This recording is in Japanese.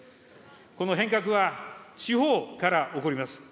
この変革は、地方から起こります。